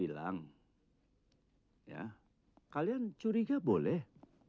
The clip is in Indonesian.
dia bilang ya kalian curiga boleh